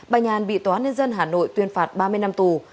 bà nhàn bị tòa án nhân dân hà nội tuyên phạt ba mươi năm tù